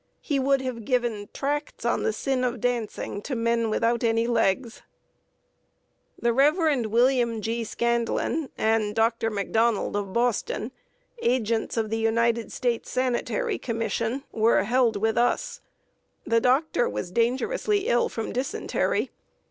He would have given tracts on the sin of dancing to men without any legs. The Rev. William G. Scandlin and Dr. McDonald, of Boston agents of the United States Sanitary Commission were held with us. The doctor was dangerously ill from dysentery.